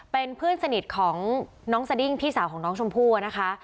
เป็นเพื่อนสนิทของน้องสดิ้งพี่สาวของน้องชมพู่นะคะ